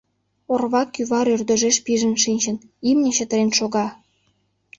Орва кӱвар ӧрдыжеш пижын шинчын, имне чытырен шога.